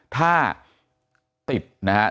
ถ้าติดนะครับ